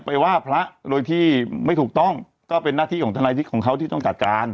ไปว่าพระโดยที่ไม่ถูกต้องก็เป็นหน้าที่ของทนายที่ของเขาที่ต้องจัดการ